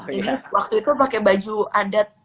ini waktu itu pakai baju adat